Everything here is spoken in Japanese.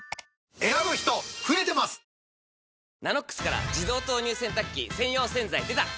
「ＮＡＮＯＸ」から自動投入洗濯機専用洗剤でた！